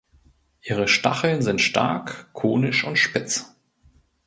Ihre Stacheln sind stark konisch und spitz.